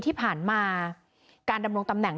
ที่ผ่านมาการดำรงตำแหน่ง